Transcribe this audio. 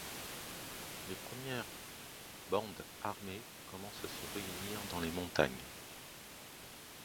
Les premières bandes armées commencent à se réunir dans les montagnes.